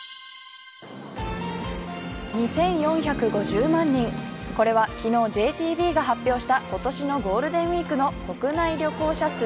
２４５０万人、これは昨日ＪＴＢが発表した今年のゴールデンウイークの国内旅行者数。